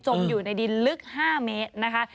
อยู่ในดินลึก๕เมตรนะคะ